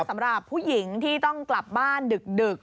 สำหรับผู้หญิงที่ต้องกลับบ้านดึก